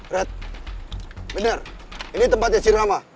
rat bener ini tempatnya si rama